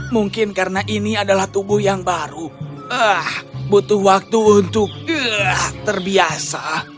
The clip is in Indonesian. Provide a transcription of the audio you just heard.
mungkin karena ini adalah tubuh yang baru butuh waktu untuk terbiasa